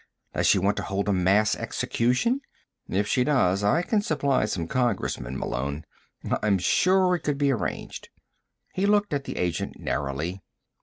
Does she want to hold a mass execution? If she does, I can supply some congressmen, Malone. I'm sure it could be arranged." He looked at the agent narrowly.